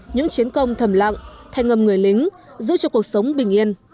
những chiến công thầm lặng thanh ngầm người lính giữ cho cuộc sống bình yên